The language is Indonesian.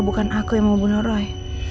bukan aku yang mau bunuh roy